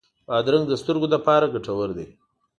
بادرنګ د سترګو لپاره ګټور دی.